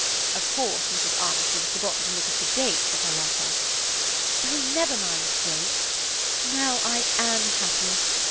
Of course Mrs. Armistead had forgotten to look at the date of her letter." "Oh! never mind dates. Now I am happy.